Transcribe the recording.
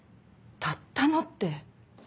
「たったの」って。